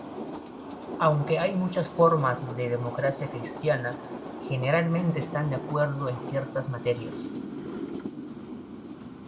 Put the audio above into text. Aunque hay muchas formas de democracia cristiana, generalmente están de acuerdo en ciertas materias.